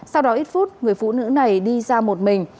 sau đó ít phút người phụ nữ này đi ra một mình